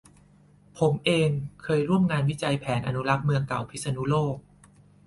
ผมเองเคยร่วมงานวิจัยแผนอนุรักษ์เมืองเก่าพิษณุโลก